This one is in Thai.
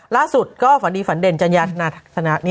ล่าสุดก็ฝันดีฝันเด่นจัญญาธนาทัศนะ